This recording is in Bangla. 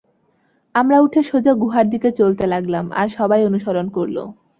আমরা উঠে সোজা গুহার দিকে চলতে লাগলাম আর সবাই অনুসরণ করল।